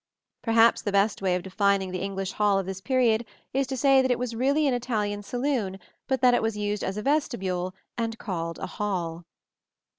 Perhaps the best way of defining the English hall of this period is to say that it was really an Italian saloon, but that it was used as a vestibule and called a hall.